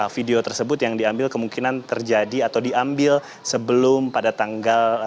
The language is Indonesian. video tersebut yang diambil kemungkinan terjadi atau diambil sebelum pada tanggal